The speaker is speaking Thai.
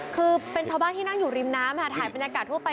คือเป็นชาวบ้านที่นั่งอยู่ริมน้ำค่ะถ่ายบรรยากาศทั่วไป